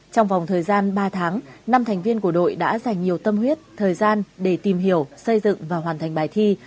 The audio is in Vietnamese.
trong vòng thời gian ba tháng năm thành viên của đội đã dành nhiều tâm huyết thời gian để tìm hiểu xây dựng và hoàn thành bài thi